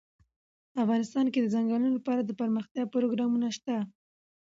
افغانستان کې د چنګلونه لپاره دپرمختیا پروګرامونه شته.